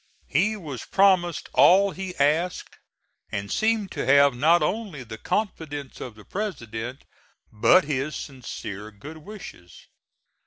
He was promised all he asked and seemed to have not only the confidence of the President, but his sincere good wishes.